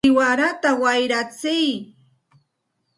¡siwarata wayratsiy!